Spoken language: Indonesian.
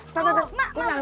nah udah sini sini